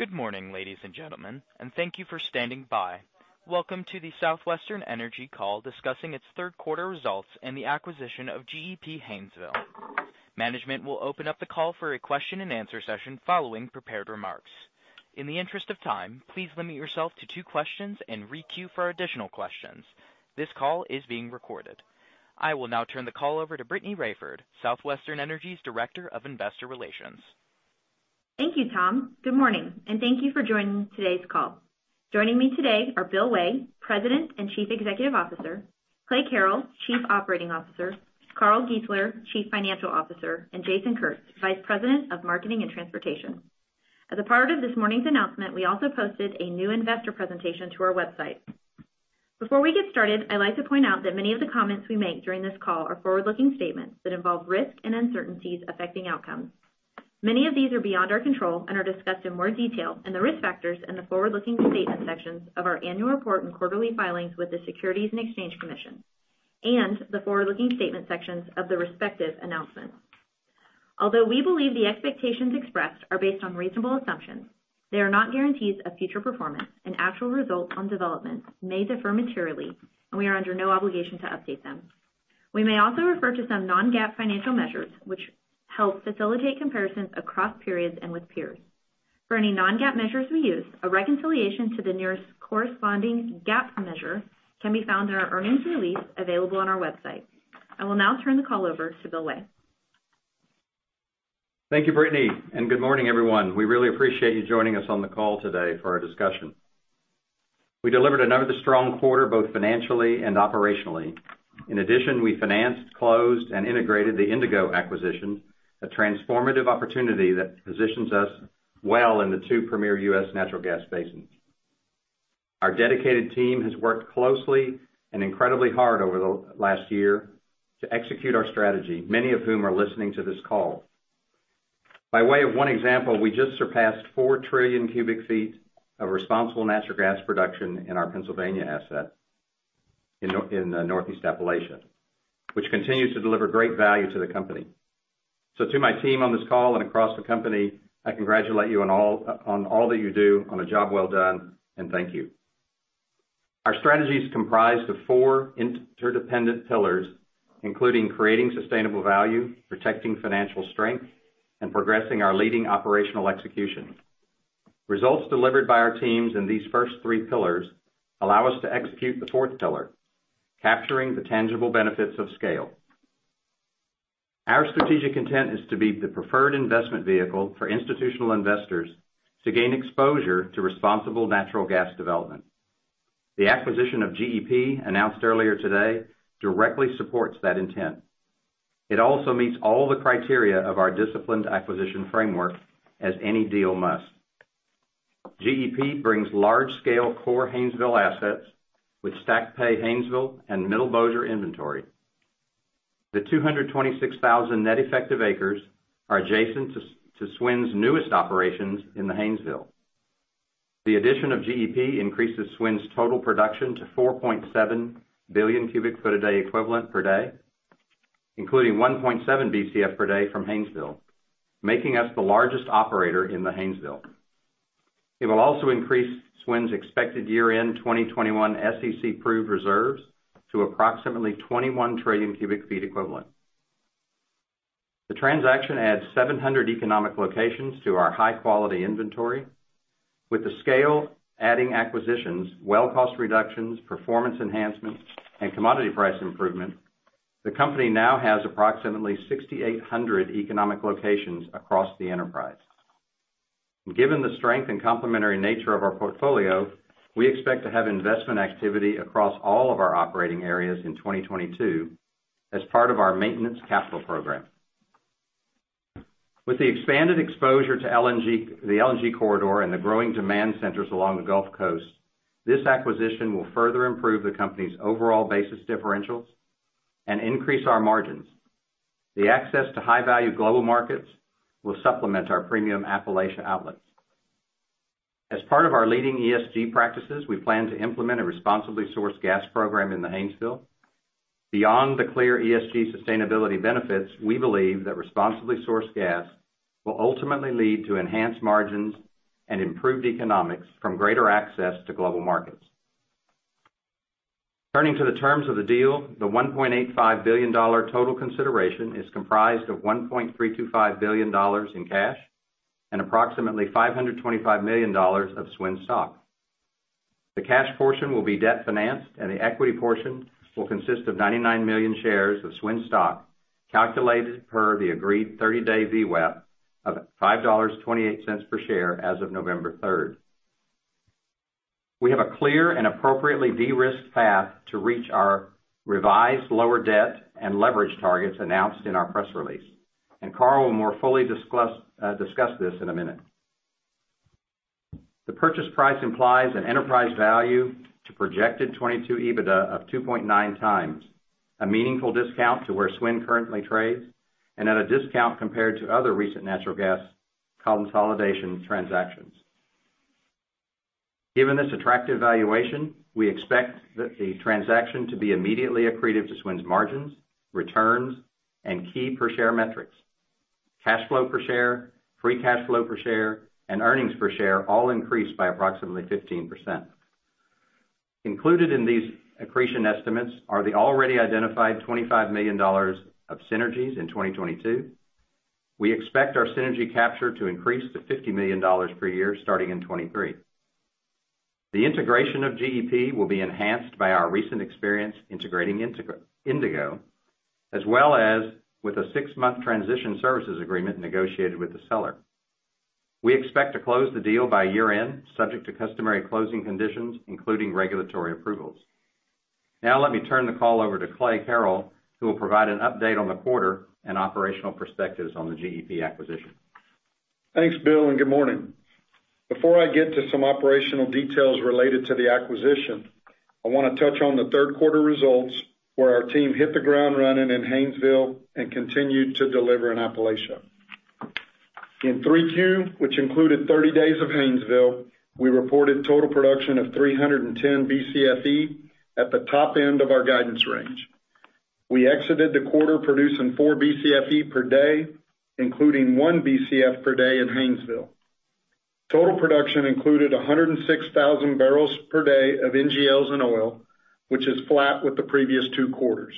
Good morning, ladies and gentlemen, and thank you for standing by. Welcome to the Southwestern Energy call discussing its third quarter results and the acquisition of GEP Haynesville. Management will open up the call for a question and answer session following prepared remarks. In the interest of time, please limit yourself to two questions and re-queue for additional questions. This call is being recorded. I will now turn the call over to Brittany Raiford, Southwestern Energy's Director of Investor Relations. Thank you, Tom. Good morning, and thank you for joining today's call. Joining me today are Bill Way, President and Chief Executive Officer, Clay Carrell, Chief Operating Officer, Carl Giesler, Chief Financial Officer, and Jason Kurtz, Vice President of Marketing and Transportation. As a part of this morning's announcement, we also posted a new investor presentation to our website. Before we get started, I'd like to point out that many of the comments we make during this call are forward-looking statements that involve risk and uncertainties affecting outcomes. Many of these are beyond our control and are discussed in more detail in the Risk Factors and the Forward-Looking Statement sections of our annual report and quarterly filings with the Securities and Exchange Commission, and the Forward-Looking Statement sections of the respective announcements. Although we believe the expectations expressed are based on reasonable assumptions, they are not guarantees of future performance, and actual results or developments may differ materially, and we are under no obligation to update them. We may also refer to some non-GAAP financial measures, which help facilitate comparisons across periods and with peers. For any non-GAAP measures we use, a reconciliation to the nearest corresponding GAAP measure can be found in our earnings release available on our website. I will now turn the call over to Bill Way. Thank you, Brittany, and good morning, everyone. We really appreciate you joining us on the call today for our discussion. We delivered another strong quarter, both financially and operationally. In addition, we financed, closed, and integrated the Indigo acquisition, a transformative opportunity that positions us well in the two premier U.S. natural gas basins. Our dedicated team has worked closely and incredibly hard over the last year to execute our strategy, many of whom are listening to this call. By way of one example, we just surpassed 4 trillion cubic feet of responsible natural gas production in our Pennsylvania asset in Northeast Appalachia, which continues to deliver great value to the company. To my team on this call and across the company, I congratulate you on all that you do, on a job well done, and thank you. Our strategy is comprised of four interdependent pillars, including creating sustainable value, protecting financial strength, and progressing our leading operational execution. Results delivered by our teams in these first three pillars allow us to execute the fourth pillar, capturing the tangible benefits of scale. Our strategic intent is to be the preferred investment vehicle for institutional investors to gain exposure to responsible natural gas development. The acquisition of GEP, announced earlier today, directly supports that intent. It also meets all the criteria of our disciplined acquisition framework, as any deal must. GEP brings large-scale core Haynesville assets with stacked pay Haynesville and Middle Bossier inventory. The 226,000 net effective acres are adjacent to SWN's newest operations in the Haynesville. The addition of GEP increases SWN's total production to 4.7 billion cubic feet equivalent per day, including 1.7 BCF per day from Haynesville, making us the largest operator in the Haynesville. It will also increase SWN's expected year-end 2021 SEC proved reserves to approximately 21 trillion cubic feet equivalent. The transaction adds 700 economic locations to our high-quality inventory. With the scale-adding acquisitions, well cost reductions, performance enhancements, and commodity price improvement, the company now has approximately 6,800 economic locations across the enterprise. Given the strength and complementary nature of our portfolio, we expect to have investment activity across all of our operating areas in 2022 as part of our maintenance capital program. With the expanded exposure to LNG, the LNG corridor and the growing demand centers along the Gulf Coast, this acquisition will further improve the company's overall basis differentials and increase our margins. The access to high-value global markets will supplement our premium Appalachia outlets. As part of our leading ESG practices, we plan to implement a responsibly sourced gas program in the Haynesville. Beyond the clear ESG sustainability benefits, we believe that responsibly sourced gas will ultimately lead to enhanced margins and improved economics from greater access to global markets. Turning to the terms of the deal, the $1.85 billion total consideration is comprised of $1.325 billion in cash and approximately $525 million of SWN stock. The cash portion will be debt-financed, and the equity portion will consist of 99 million shares of SWN stock, calculated per the agreed 30-day VWAP of $5.28 per share as of November 3, 2021. We have a clear and appropriately de-risked path to reach our revised lower debt and leverage targets announced in our press release, and Carl will more fully discuss this in a minute. The purchase price implies an enterprise value to projected 2022 EBITDA of 2.9x, a meaningful discount to where SWN currently trades and at a discount compared to other recent natural gas consolidation transactions. Given this attractive valuation, we expect that the transaction to be immediately accretive to SWN's margins, returns, and key per share metrics. Cash flow per share, free cash flow per share, and earnings per share all increased by approximately 15%. Included in these accretion estimates are the already identified $25 million of synergies in 2022. We expect our synergy capture to increase to $50 million per year starting in 2023. The integration of GEP will be enhanced by our recent experience integrating Indigo, as well as with a six-month transition services agreement negotiated with the seller. We expect to close the deal by year-end, subject to customary closing conditions, including regulatory approvals. Now let me turn the call over to Clay Carrell, who will provide an update on the quarter and operational perspectives on the GEP acquisition. Thanks, Bill, and good morning. Before I get to some operational details related to the acquisition, I wanna touch on the third quarter results where our team hit the ground running in Haynesville and continued to deliver in Appalachia. In 3Q, which included 30 days of Haynesville, we reported total production of 310 Bcfe at the top end of our guidance range. We exited the quarter producing 4 Bcfe per day, including 1 Bcf per day at Haynesville. Total production included 106,000 barrels per day of NGLs and oil, which is flat with the previous two quarters.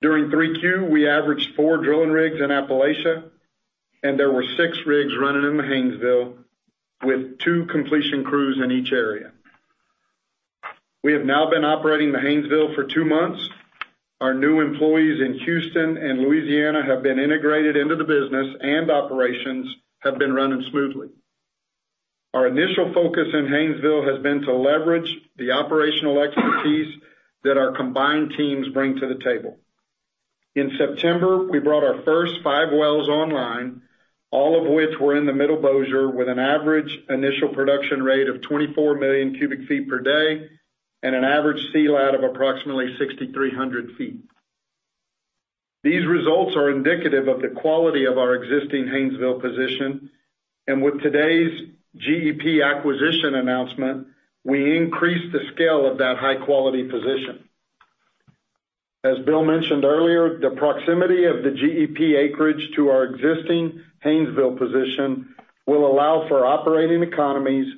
During 3Q, we averaged four drilling rigs in Appalachia, and there were six rigs running in the Haynesville, with two completion crews in each area. We have now been operating the Haynesville for two months. Our new employees in Houston and Louisiana have been integrated into the business, and operations have been running smoothly. Our initial focus in Haynesville has been to leverage the operational expertise that our combined teams bring to the table. In September, we brought our first five wells online, all of which were in the Middle Bossier, with an average initial production rate of 24 million cubic feet per day and an average lateral of approximately 6,300 feet. These results are indicative of the quality of our existing Haynesville position, and with today's GEP acquisition announcement, we increased the scale of that high-quality position. As Bill mentioned earlier, the proximity of the GEP acreage to our existing Haynesville position will allow for operating economies,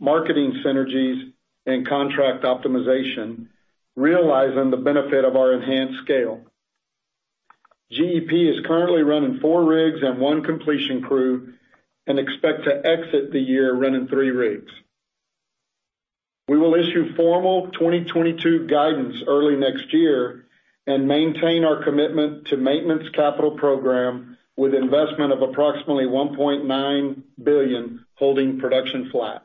marketing synergies, and contract optimization, realizing the benefit of our enhanced scale. GEP is currently running four rigs and one completion crew and expect to exit the year running three rigs. We will issue formal 2022 guidance early next year and maintain our commitment to maintenance capital program with investment of approximately $1.9 billion holding production flat.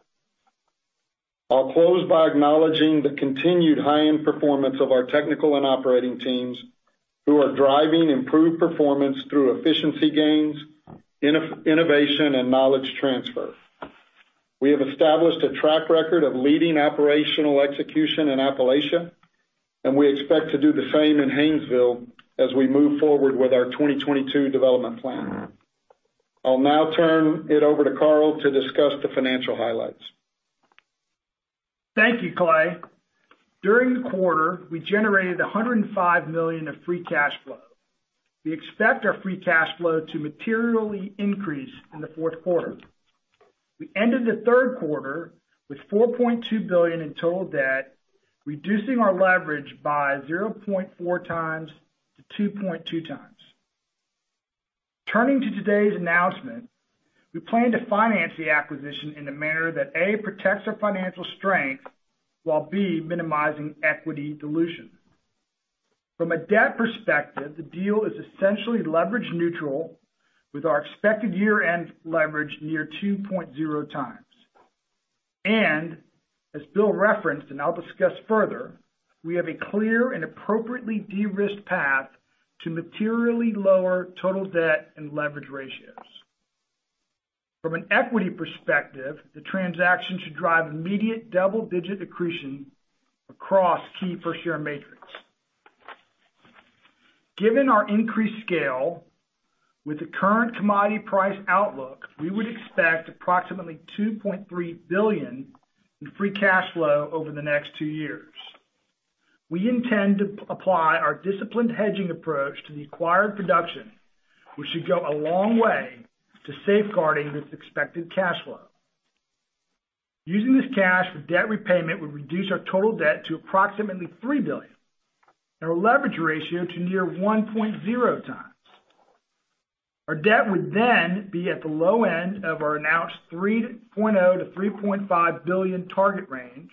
I'll close by acknowledging the continued high-end performance of our technical and operating teams who are driving improved performance through efficiency gains, innovation, and knowledge transfer. We have established a track record of leading operational execution in Appalachia, and we expect to do the same in Haynesville as we move forward with our 2022 development plan. I'll now turn it over to Carl to discuss the financial highlights. Thank you, Clay. During the quarter, we generated $105 million of free cash flow. We expect our free cash flow to materially increase in the fourth quarter. We ended the third quarter with $4.2 billion in total debt, reducing our leverage by 0.4 times to 2.2 times. Turning to today's announcement, we plan to finance the acquisition in the manner that, A, protects our financial strength, while B, minimizing equity dilution. From a debt perspective, the deal is essentially leverage neutral, with our expected year-end leverage near 2.0 times. As Bill referenced, and I'll discuss further, we have a clear and appropriately de-risked path to materially lower total debt and leverage ratios. From an equity perspective, the transaction should drive immediate double-digit accretion across key per-share metrics. Given our increased scale with the current commodity price outlook, we would expect approximately $2.3 billion in free cash flow over the next two years. We intend to apply our disciplined hedging approach to the acquired production, which should go a long way to safeguarding this expected cash flow. Using this cash for debt repayment would reduce our total debt to approximately $3 billion and our leverage ratio to near 1.0 times. Our debt would then be at the low end of our announced $3.0-$3.5 billion target range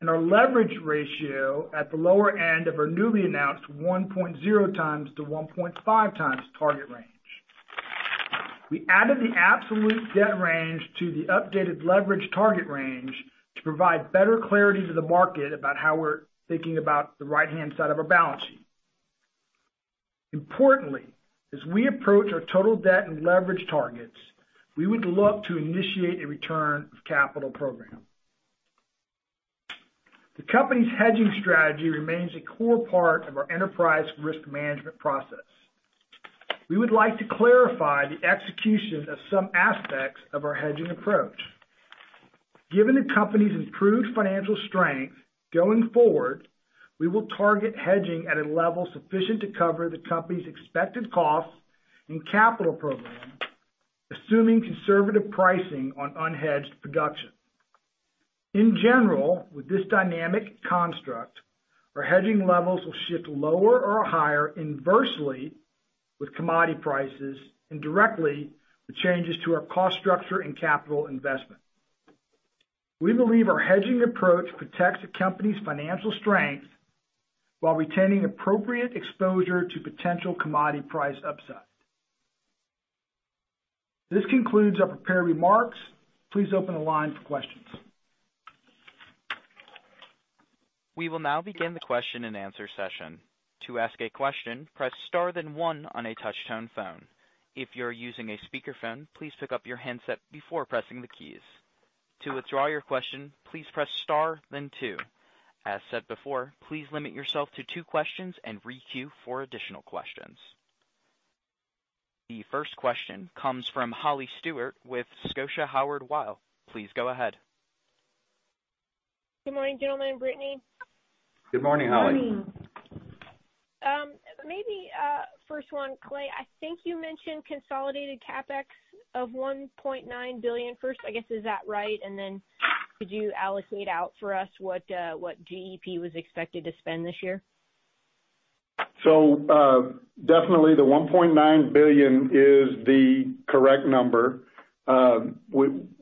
and our leverage ratio at the lower end of our newly announced 1.0-1.5 times target range. We added the absolute debt range to the updated leverage target range to provide better clarity to the market about how we're thinking about the right-hand side of our balance sheet. Importantly, as we approach our total debt and leverage targets, we would look to initiate a return of capital program. The company's hedging strategy remains a core part of our enterprise risk management process. We would like to clarify the execution of some aspects of our hedging approach. Given the company's improved financial strength, going forward, we will target hedging at a level sufficient to cover the company's expected costs and capital program, assuming conservative pricing on unhedged production. In general, with this dynamic construct, our hedging levels will shift lower or higher inversely with commodity prices and directly with changes to our cost structure and capital investment. We believe our hedging approach protects the company's financial strength while retaining appropriate exposure to potential commodity price upside. This concludes our prepared remarks. Please open the line for questions. We will now begin the question-and-answer session. To ask a question, press star then one on a touchtone phone. If you're using a speakerphone, please pick up your handset before pressing the keys. To withdraw your question, please press star then two. As said before, please limit yourself to two questions and re-queue for additional questions. The first question comes from Holly Stewart with Scotia Howard Weil. Please go ahead. Good morning, gentlemen, Brittany. Good morning, Holly. Good morning. Maybe first one, Clay, I think you mentioned consolidated CapEx of $1.9 billion first. I guess, is that right? Could you allocate out for us what GEP was expected to spend this year? Definitely the $1.9 billion is the correct number.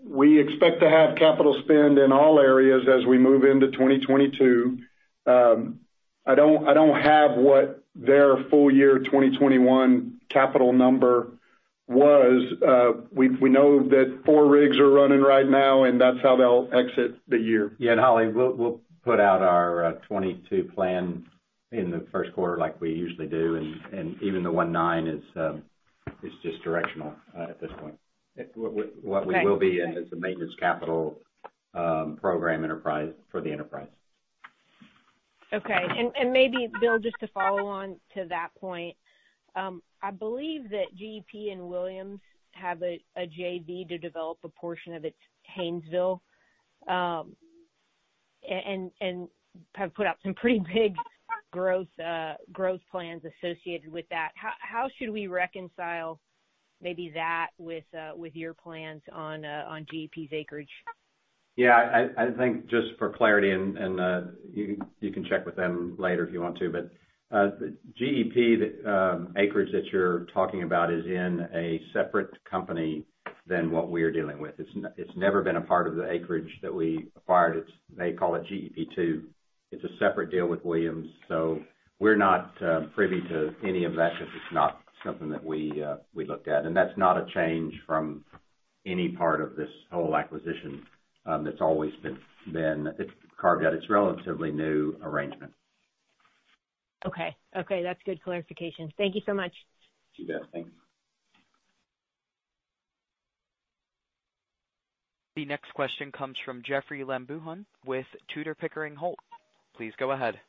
We expect to have capital spend in all areas as we move into 2022. I don't have what their full year 2021 capital number was. We know that four rigs are running right now, and that's how they'll exit the year. Yeah, Holly, we'll put out our 2022 plan in the first quarter like we usually do. Even the 2019 is just directional at this point. What we will be- Okay. It's a maintenance capital program for the enterprise. Okay. Maybe Bill, just to follow on to that point. I believe that GEP and Williams have a JV to develop a portion of its Haynesville and have put out some pretty big growth plans associated with that. How should we reconcile maybe that with your plans on GEP's acreage? Yeah. I think just for clarity, you can check with them later if you want to. GEP acreage that you're talking about is in a separate company than what we're dealing with. It's never been a part of the acreage that we acquired. They call it GEP Two. It's a separate deal with Williams. We're not privy to any of that, because it's not something that we looked at. That's not a change from any part of this whole acquisition, that's always been. It's carved out. It's a relatively new arrangement. Okay. Okay, that's good clarification. Thank you so much. You bet. Thank you. The next question comes from Neal Dingmann with Tudor, Pickering, Holt. Please go ahead.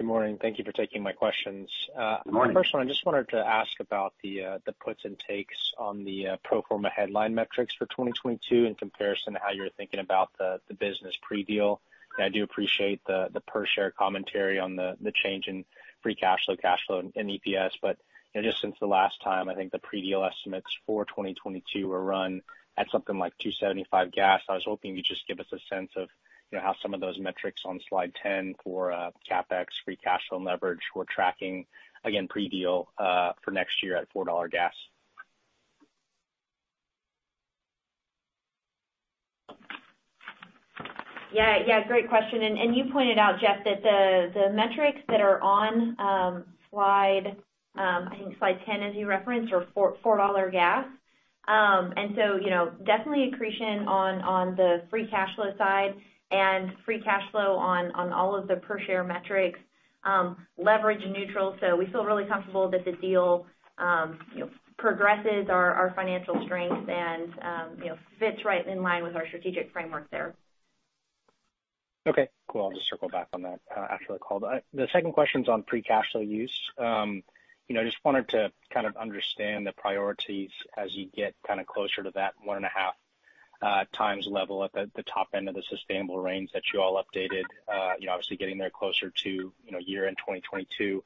Good morning. Thank you for taking my questions. Good morning. First one, I just wanted to ask about the puts and takes on the pro forma headline metrics for 2022 in comparison to how you're thinking about the business pre-deal. I do appreciate the per share commentary on the change in free cash flow, cash flow and EPS. You know, just since the last time, I think the pre-deal estimates for 2022 were run at something like $2.75 gas. I was hoping you'd just give us a sense of, you know, how some of those metrics on slide 10 for CapEx, free cash flow and leverage were tracking, again, pre-deal, for next year at $4 gas. Yeah. Yeah, great question. You pointed out, Jeff, that the metrics that are on slide 10, as you referenced, are $4 gas. You know, definitely accretion on the free cash flow side and free cash flow on all of the per share metrics, leverage neutral. We feel really comfortable that the deal you know, progresses our financial strength and you know, fits right in line with our strategic framework there. Okay, cool. I'll just circle back on that after the call. The second question's on free cash flow use. You know, I just wanted to kind of understand the priorities as you get kind of closer to that 1.5 times level at the top end of the sustainable range that you all updated. You know, obviously getting there closer to year-end 2022.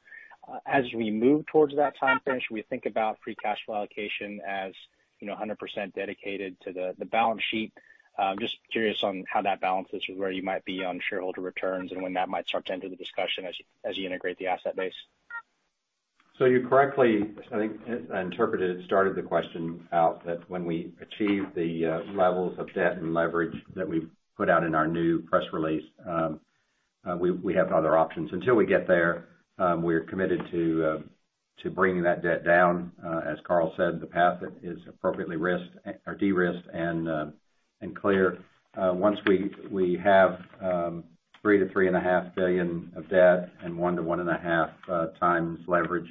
As we move towards that timeframe, we think about free cash flow allocation as you know, 100% dedicated to the balance sheet. Just curious on how that balances with where you might be on shareholder returns and when that might start to enter the discussion as you integrate the asset base. You correctly, I think, interpreted it, started the question out that when we achieve the levels of debt and leverage that we've put out in our new press release, we have other options. Until we get there, we're committed to bringing that debt down. As Carl said, the path is appropriately risked or de-risked and clear. Once we have $3 billion-$3.5 billion of debt and 1-1.5 times leverage.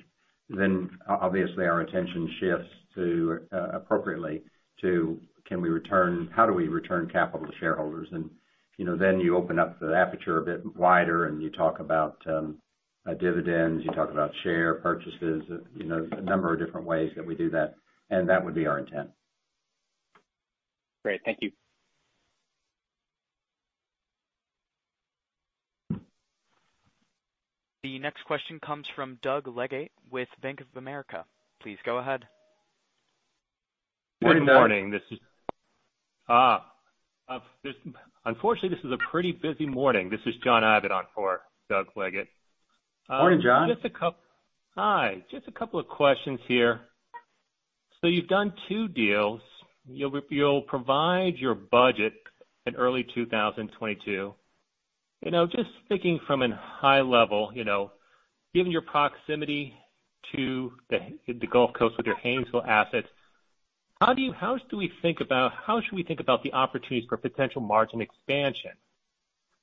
Then obviously our attention shifts to appropriately to can we return how do we return capital to shareholders? You know, then you open up the aperture a bit wider and you talk about dividends, you talk about share purchases, you know, a number of different ways that we do that, and that would be our intent. Great. Thank you. The next question comes from Doug Leggate with Bank of America. Please go ahead. Good morning, this is Morning, Doug. Unfortunately, this is a pretty busy morning. This is John Abbott for Doug Leggate. Morning, John. Hi. Just a couple of questions here. You've done two deals. You'll provide your budget in early 2022. You know, just thinking from a high level, you know, given your proximity to the Gulf Coast with your Haynesville assets, how should we think about the opportunities for potential margin expansion?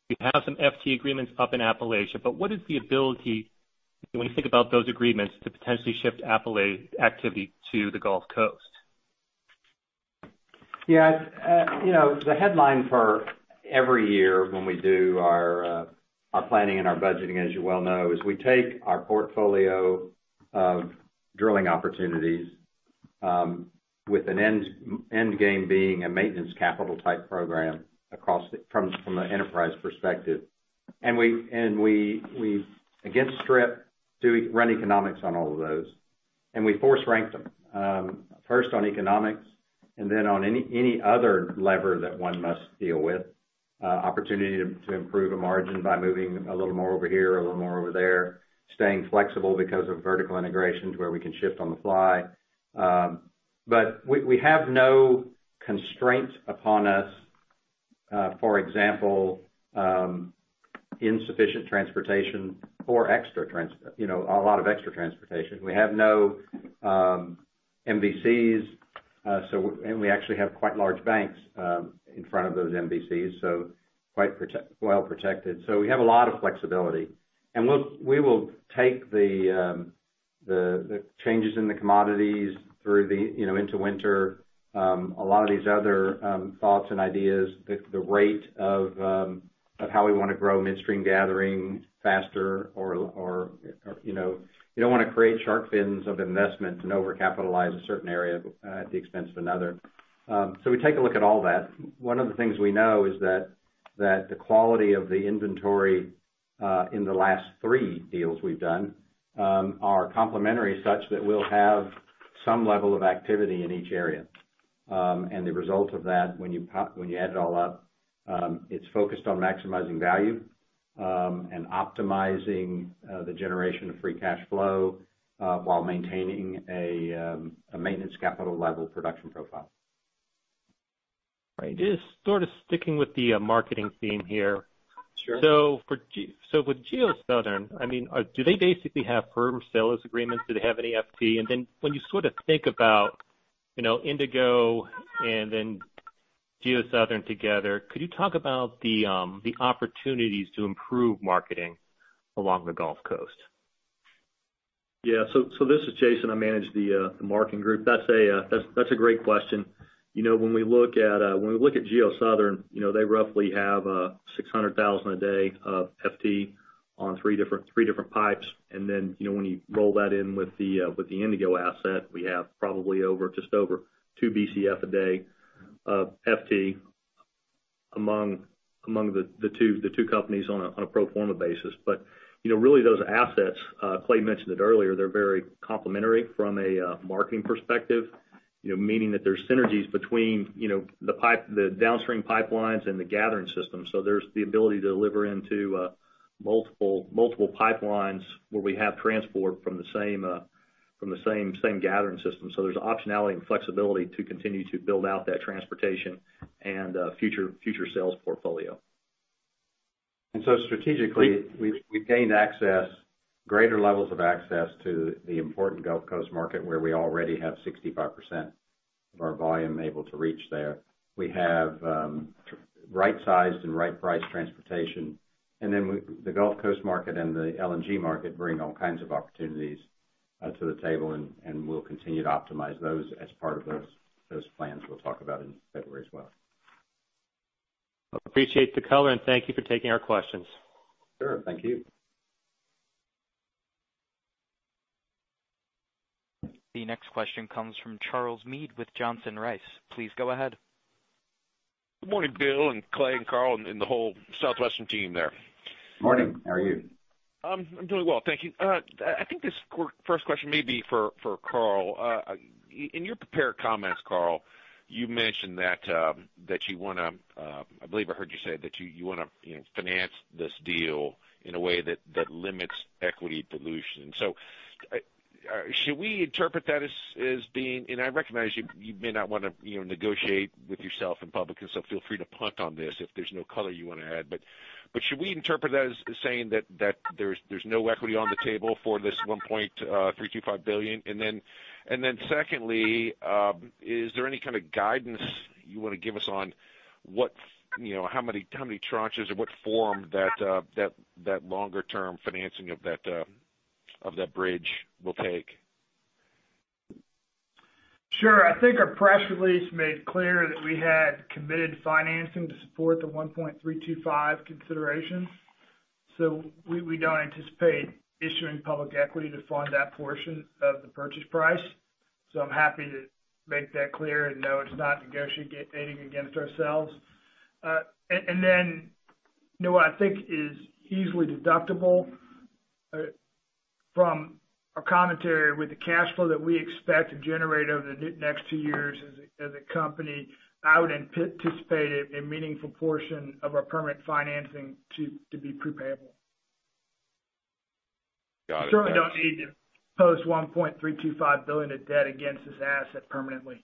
You have some FT agreements up in Appalachia, but what is the ability when you think about those agreements to potentially shift Appalachia activity to the Gulf Coast? Yeah. You know, the headline for every year when we do our planning and our budgeting, as you well know, is we take our portfolio of drilling opportunities with an end game being a maintenance capital type program from an enterprise perspective. We run economics against strip on all of those, and we force rank them first on economics and then on any other lever that one must deal with, opportunity to improve a margin by moving a little more over here, a little more over there, staying flexible because of vertical integrations where we can shift on the fly. We have no constraints upon us, for example, insufficient transportation or a lot of extra transportation. We have no MVCs, and we actually have quite large banks in front of those MVCs, so quite well protected. We have a lot of flexibility. Look, we will take the changes in the commodities through the you know into winter. A lot of these other thoughts and ideas, the rate of how we wanna grow midstream gathering faster or you know, we don't wanna create shark fins of investment and overcapitalizing a certain area at the expense of another. We take a look at all that. One of the things we know is that the quality of the inventory in the last three deals we've done are complementary such that we'll have some level of activity in each area. The result of that, when you add it all up, it's focused on maximizing value and optimizing the generation of free cash flow while maintaining a maintenance capital level production profile. Right. Just sort of sticking with the, marketing theme here. Sure. With GeoSouthern Energy, I mean, do they basically have firm sales agreements? Do they have any FT? And then when you sort of think about, you know, Indigo and then GeoSouthern Energy together, could you talk about the opportunities to improve marketing along the Gulf Coast? This is Jason. I manage the marketing group. That's a great question. You know, when we look at GeoSouthern Energy, you know, they roughly have 600,000 a day of FT on three different pipes. Then, you know, when you roll that in with the Indigo asset, we have probably just over 2 BCF a day of FT among the two companies on a pro forma basis. But, you know, really those assets, Clay mentioned it earlier, they're very complementary from a marketing perspective, you know, meaning that there's synergies between the downstream pipelines and the gathering system. There's the ability to deliver into multiple pipelines where we have transport from the same gathering system. There's optionality and flexibility to continue to build out that transportation and future sales portfolio. Strategically, we've gained access, greater levels of access to the important Gulf Coast market, where we already have 65% of our volume able to reach there. We have right-sized and right-priced transportation. The Gulf Coast market and the LNG market bring all kinds of opportunities to the table, and we'll continue to optimize those as part of those plans we'll talk about in February as well. Appreciate the color, and thank you for taking our questions. Sure. Thank you. The next question comes from Charles Mead with Johnson Rice. Please go ahead. Good morning, Bill and Clay and Carl and the whole Southwestern team there. Morning. How are you? I'm doing well, thank you. I think this first question may be for Carl. In your prepared comments, Carl, you mentioned that you wanna, I believe I heard you say that you wanna, you know, finance this deal in a way that limits equity dilution. Should we interpret that as being. I recognize you may not wanna, you know, negotiate with yourself in public, and so feel free to punt on this if there's no color you wanna add. Should we interpret that as saying that there's no equity on the table for this $1.325 billion? Secondly, is there any kind of guidance you wanna give us on what's, you know, how many tranches or what form that longer term financing of that bridge will take? Sure. I think our press release made clear that we had committed financing to support the $1.325 consideration. We don't anticipate issuing public equity to fund that portion of the purchase price. I'm happy to make that clear and know it's not negotiating against ourselves. You know what I think is easily discernible from our commentary with the cash flow that we expect to generate over the next two years as a company. I would anticipate a meaningful portion of our permanent financing to be prepayable. Got it. We certainly don't need to post $1.325 billion in debt against this asset permanently.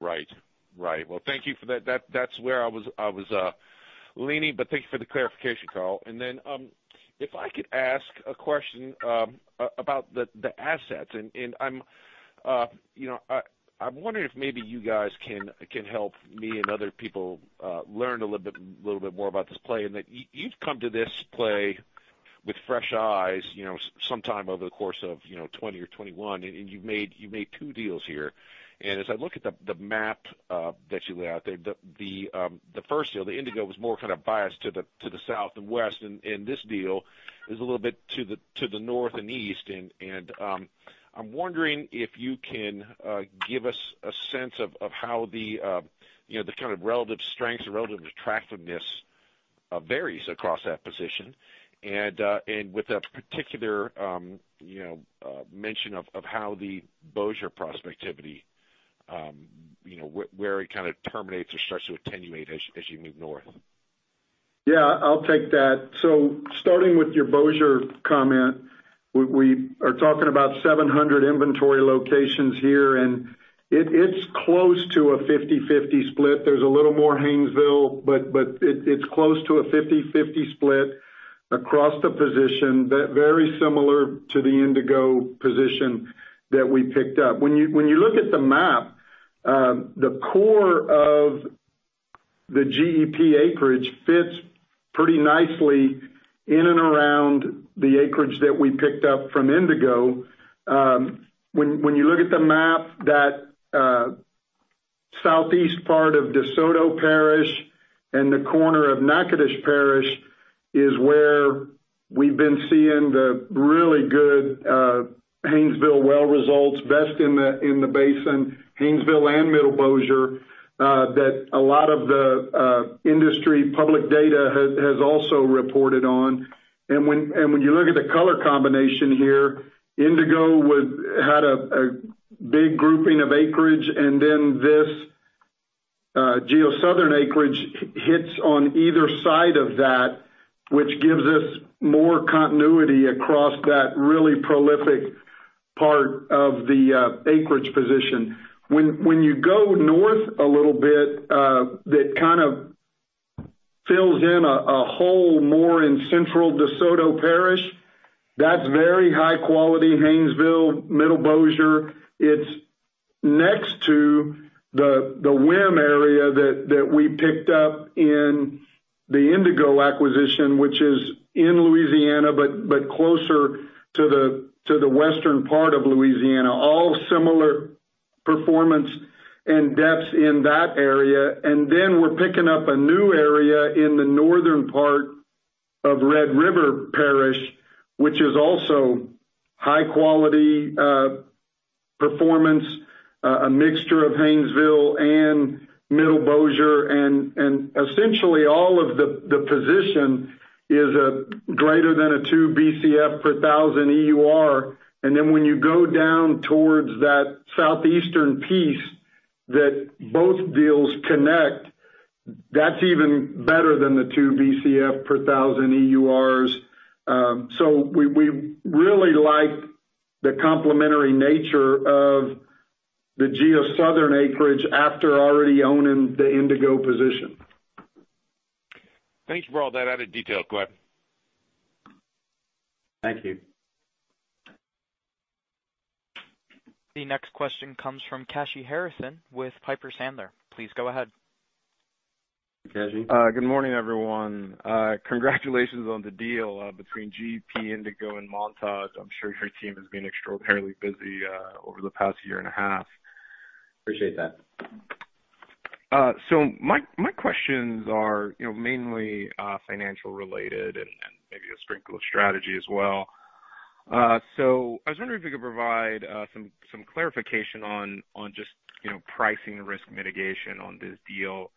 Right. Well, thank you for that. That's where I was leaning, but thank you for the clarification, Carl. If I could ask a question about the assets, and I'm wondering if maybe you guys can help me and other people learn a little bit more about this play, and that you've come to this play with fresh eyes, you know, sometime over the course of 2020 or 2021, and you've made two deals here. As I look at the map that you lay out there, the first deal, the Indigo, was more kind of biased to the south and west, and this deal is a little bit to the north and east. I'm wondering if you can give us a sense of how you know the kind of relative strengths or relative attractiveness varies across that position. With a particular you know mention of how the Bossier prospectivity you know where it kind of terminates or starts to attenuate as you move north. Yeah, I'll take that. Starting with your Bossier comment, we are talking about 700 inventory locations here, and it's close to a 50/50 split. There's a little more Haynesville, but it's close to a 50/50 split across the position. Very similar to the Indigo position that we picked up. When you look at the map, the core of the GEP acreage fits pretty nicely in and around the acreage that we picked up from Indigo. When you look at the map, southeast part of DeSoto Parish and the corner of Natchitoches Parish is where we've been seeing the really good Haynesville well results, best in the basin, Haynesville and Middle Bossier, that a lot of the industry public data has also reported on. When you look at the color combination here, Indigo had a big grouping of acreage, and then this GeoSouthern acreage hits on either side of that, which gives us more continuity across that really prolific part of the acreage position. When you go north a little bit, that kind of fills in a hole more in central DeSoto Parish, that's very high quality Haynesville, Middle Bossier. It's next to the WIM area that we picked up in the Indigo acquisition, which is in Louisiana, but closer to the western part of Louisiana, all similar performance and depths in that area. Then we're picking up a new area in the northern part of Red River Parish, which is also high quality performance, a mixture of Haynesville and Middle Bossier. Essentially all of the position is greater than 2 Bcf per 1,000 EUR. When you go down towards that southeastern piece that both deals connect, that's even better than the 2 Bcf per 1,000 EUR. We really like the complementary nature of the GeoSouthern acreage after already owning the Indigo position. Thanks for all that added detail, Clay. Thank you. The next question comes from Kashy Harrison with Piper Sandler. Please go ahead. Kassey. Good morning, everyone. Congratulations on the deal between GEP, Indigo and Montage. I'm sure your team has been extraordinarily busy over the past year and a half. Appreciate that. My questions are, you know, mainly financial related and maybe a sprinkle of strategy as well. I was wondering if you could provide some clarification on just, you know, pricing risk mitigation on this deal.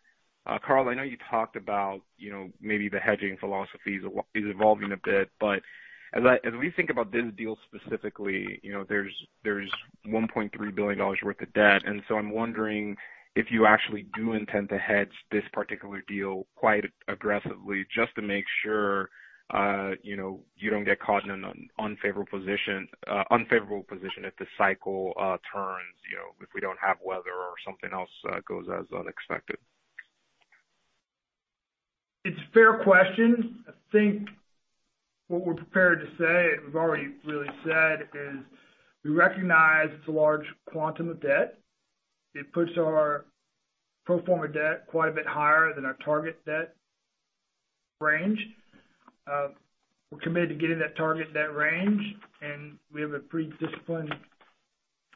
Carl, I know you talked about, you know, maybe the hedging philosophies is evolving a bit, but as we think about this deal specifically, you know, there's $1.3 billion worth of debt, and I'm wondering if you actually do intend to hedge this particular deal quite aggressively just to make sure, you know, you don't get caught in an unfavorable position if the cycle turns, you know, if we don't have weather or something else goes as unexpected. It's a fair question. I think what we're prepared to say, we've already really said, is we recognize it's a large quantum of debt. It puts our pro forma debt quite a bit higher than our target debt range. We're committed to getting that target in that range, and we have a pretty disciplined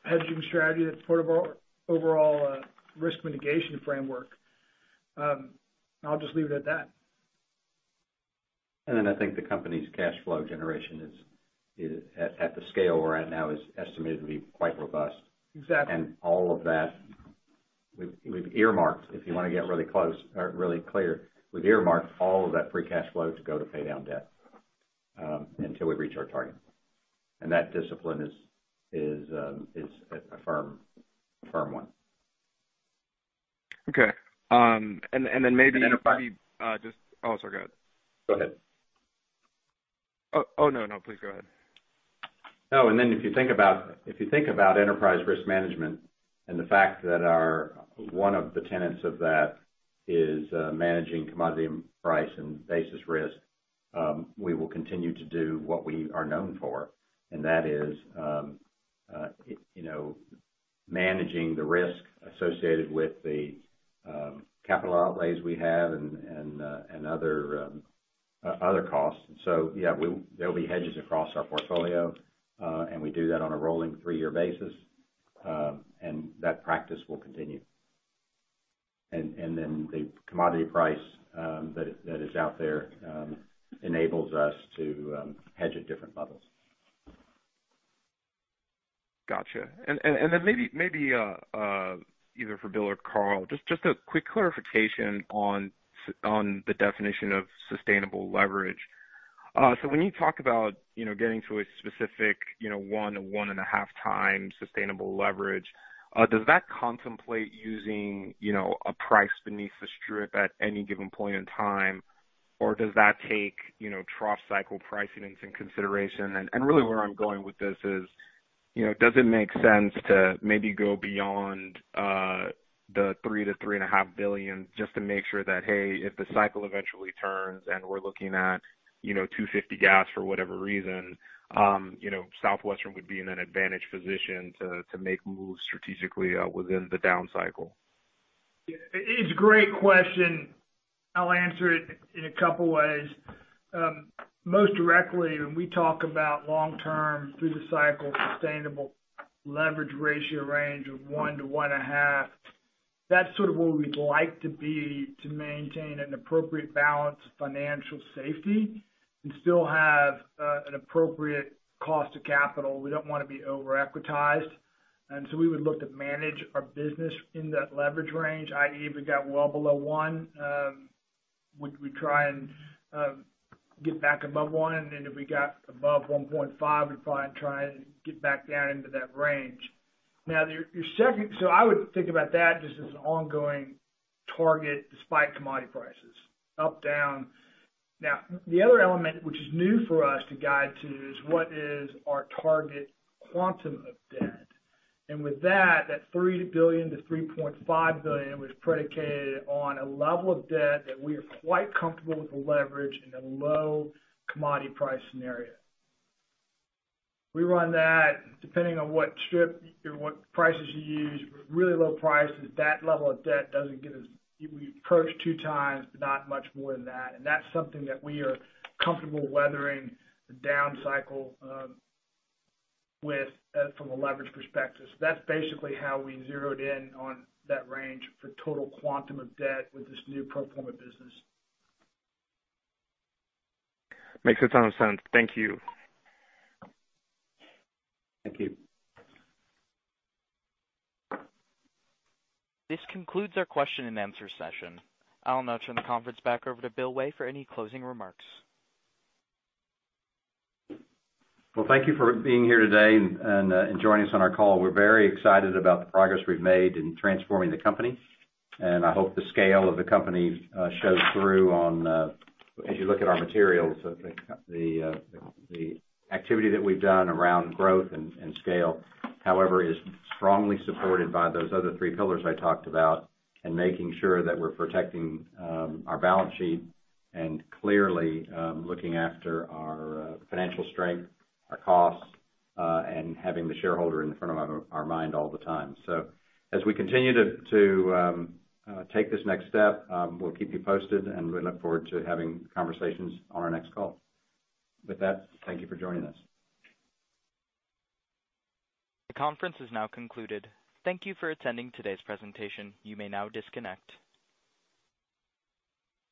hedging strategy that's part of our overall risk mitigation framework. I'll just leave it at that. I think the company's cash flow generation is at the scale we're at now is estimated to be quite robust. Exactly. All of that we've earmarked, if you wanna get really close or really clear, we've earmarked all of that free cash flow to go to pay down debt, until we reach our target. That discipline is a firm one. Okay. Maybe And then if I- Oh, sorry, go ahead. Go ahead. Oh, no, please go ahead. If you think about enterprise risk management and the fact that one of the tenets of that is managing commodity price and basis risk, we will continue to do what we are known for, and that is you know managing the risk associated with the capital outlays we have and other costs. Yeah, there'll be hedges across our portfolio, and we do that on a rolling three-year basis, and that practice will continue. The commodity price that is out there enables us to hedge at different levels. Gotcha. Maybe either for Bill or Carl, just a quick clarification on the definition of sustainable leverage. When you talk about, you know, getting to a specific, you know, 1-1.5 times sustainable leverage, does that contemplate using, you know, a price beneath the strip at any given point in time? Or does that take, you know, trough cycle pricing into consideration? Really where I'm going with this is, you know, does it make sense to maybe go beyond the $3-$3.5 billion just to make sure that, hey, if the cycle eventually turns and we're looking at, you know, $2.50 gas for whatever reason, you know, Southwestern would be in an advantaged position to make moves strategically within the down cycle. It's a great question. I'll answer it in a couple ways. Most directly when we talk about long-term through the cycle sustainable leverage ratio range of 1-1.5, that's sort of where we'd like to be to maintain an appropriate balance of financial safety and still have an appropriate cost of capital. We don't wanna be over-equitized. We would look to manage our business in that leverage range. i.e., if we got well below 1, we try and get back above 1. If we got above 1.5, we probably try and get back down into that range. Now, your second. I would think about that just as an ongoing target despite commodity prices, up, down. Now the other element which is new for us to guide to is what is our target quantum of debt. With that, $3 billion-$3.5 billion was predicated on a level of debt that we are quite comfortable with the leverage in a low commodity price scenario. We run that depending on what strip or what prices you use. With really low prices, we approach 2x, but not much more than that. That's something that we are comfortable weathering the down cycle from a leverage perspective. That's basically how we zeroed in on that range for total quantum of debt with this new pro forma business. Makes a ton of sense. Thank you. Thank you. This concludes our question and answer session. I'll now turn the conference back over to Bill Way for any closing remarks. Well, thank you for being here today and joining us on our call. We're very excited about the progress we've made in transforming the company, and I hope the scale of the company shows through on as you look at our materials. The activity that we've done around growth and scale, however, is strongly supported by those other three pillars I talked about, and making sure that we're protecting our balance sheet and clearly looking after our financial strength, our costs, and having the shareholder in the front of our mind all the time. As we continue to take this next step, we'll keep you posted, and we look forward to having conversations on our next call. With that, thank you for joining us. The conference is now concluded. Thank you for attending today's presentation. You may now disconnect.